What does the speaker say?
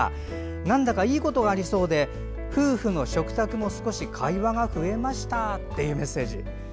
なんだかいいことがありそうで夫婦の食卓も少し会話が増えましたというメッセージ。